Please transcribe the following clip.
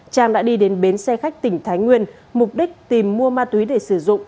trang đã đi đến bến xe khách tỉnh thái nguyên mục đích tìm mua ma túy để sử dụng